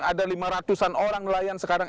ada lima ratusan orang nelayan sekarang